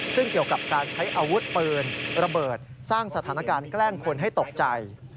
ซึ่งเกี่ยวกับการใช้อาวุธปืนระเบิดสร้างสถานการณ์แกล้งคนให้ตกใจ